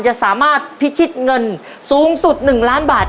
จะสามารถพิชิตเงินสูงสุด๑ล้านบาท